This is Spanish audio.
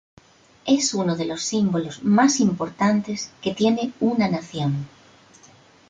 Es uno de los símbolos más importantes que tiene una nación.